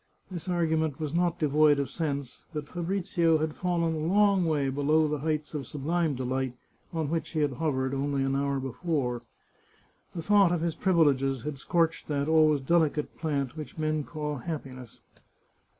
This argument was not de void of sense, but Fabrizio had fallen a long way below the heights of sublime delight on which he had hovered only an hour before. The thought of his privileges had scorched that always delicate plant which men call happiness.